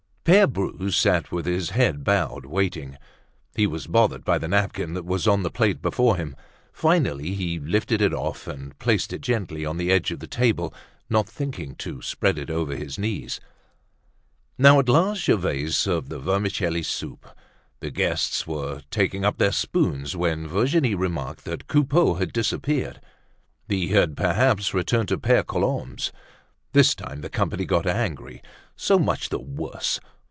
Pere Bru sat with his head bowed, waiting. He was bothered by the napkin that was on the plate before him. Finally he lifted it off and placed it gently on the edge of the table, not thinking to spread it over his knees. Now at last Gervaise served the vermicelli soup; the guests were taking up their spoons when Virginie remarked that Coupeau had disappeared. He had perhaps returned to Pere Colombe's. This time the company got angry. So much the worse!